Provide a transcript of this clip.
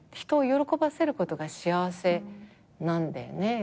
人を喜ばせることが幸せなんだよね。